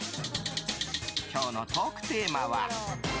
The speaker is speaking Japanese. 今日のトークテーマは。